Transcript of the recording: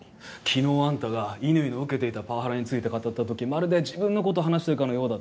昨日あんたが乾の受けていたパワハラについて語ったときまるで自分のことを話してるかのようだった。